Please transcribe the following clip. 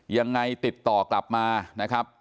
ยังไงติดต่อกลับมานะครับ